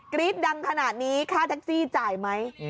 รี๊ดดังขนาดนี้ค่าแท็กซี่จ่ายไหม